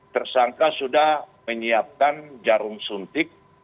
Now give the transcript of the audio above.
tersangka sudah menyiapkan jarum suntik